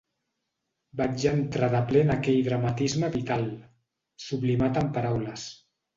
Vaig entrar de ple en aquell dramatisme vital, sublimat amb paraules.